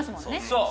そう。